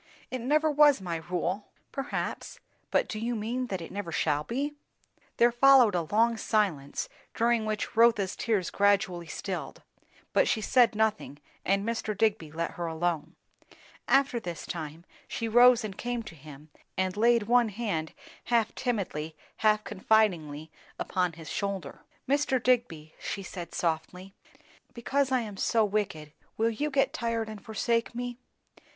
"It never was my rule." "Perhaps. But do you mean that it never shall be?" There followed a long silence, during which Rotha's tears gradually stilled; but she said nothing, and Mr. Digby let her alone. After this time, she rose and came to him and laid one hand half timidly, half confidingly, upon his shoulder. "Mr. Digby," she said softly, "because I am so wicked, will you get tired and forsake me?"